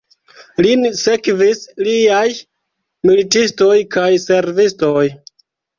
Lin sekvis liaj militistoj kaj servistoj.